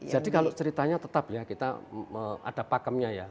jadi kalau ceritanya tetap ya kita ada pakemnya ya